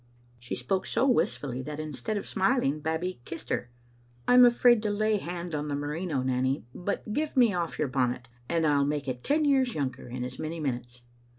She spoke so wistfully that, instead of smiling. Bab bie kissed her. " I am afraid to lay hand on the merino, Nanny, but give me oflE your bonnet and I'll make it ten years younger in as many minutes."